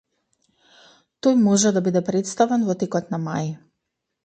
Тој може да биде претставен во текот на мај